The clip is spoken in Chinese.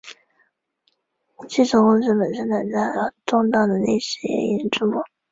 汽车公司本身短暂而动荡的历史也引人注目。